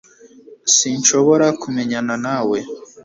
sinshobora kumenyana na we